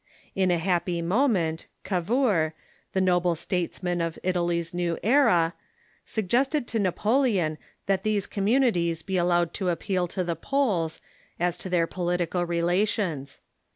In a happy moment Cavour, the noble statesman of Italy's new era, suggested to Xapo leon that these communities be allowed to appeal to the polls as to their political relations.